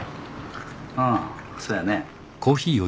ああせやね。